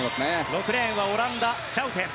６レーンオランダのシャウテン。